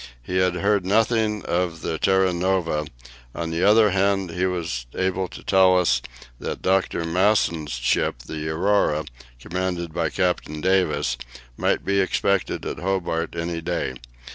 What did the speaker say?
He had heard nothing of the Terra Nova; on the other hand, he was able to tell us that Dr. Mawson's ship, the Aurora, commanded by Captain Davis, might be expected at Hobart any day.